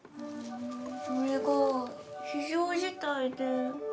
それが非常事態で。